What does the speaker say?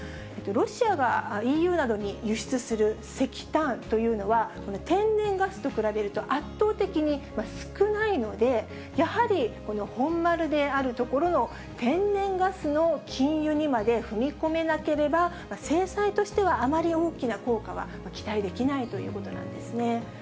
ロシアがＥＵなどに輸出する石炭というのは、天然ガスと比べると、圧倒的に少ないので、やはりこの本丸であるところの、天然ガスの禁輸にまで踏み込めなければ、制裁としては、あまり大きな効果は期待できないということなんですね。